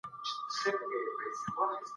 موږ د ژبې ستونزې حل کوو.